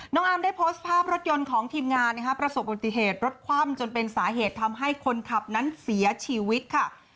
อาร์มได้โพสต์ภาพรถยนต์ของทีมงานประสบอุบัติเหตุรถคว่ำจนเป็นสาเหตุทำให้คนขับนั้นเสียชีวิตค่ะ